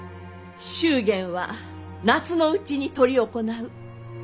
祝言は夏のうちに執り行う。